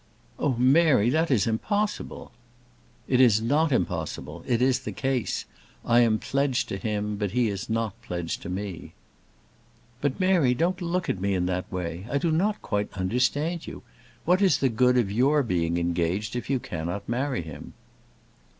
"Oh, Mary, that is impossible!" "It is not impossible: it is the case I am pledged to him; but he is not pledged to me." "But, Mary, don't look at me in that way. I do not quite understand you. What is the good of your being engaged if you cannot marry him?"